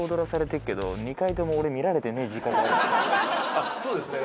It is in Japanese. あっそうですね。